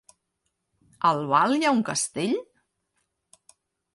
A Albal hi ha un castell?